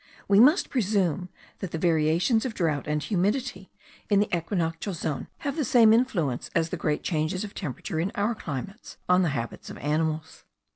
We must presume that the variations of drought and humidity in the equinoctial zone have the same influence as the great changes of temperature in our climates, on the habits of animals.